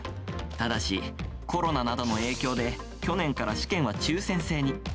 ただし、コロナなどの影響で、去年から試験は抽せん制に。